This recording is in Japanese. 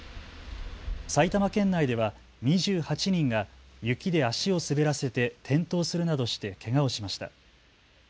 埼玉県内では２８人が雪で足を滑らせて転倒するなどしてけがをしました。